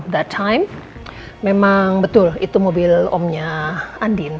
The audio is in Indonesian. that time memang betul itu mobil omnya andin